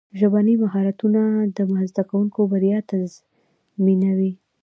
ژبني مهارتونه د زدهکوونکو بریا تضمینوي.